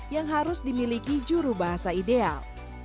yang harus dimiliki juru bahasa ideal